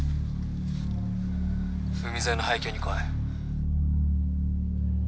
海沿いの廃虚に来い。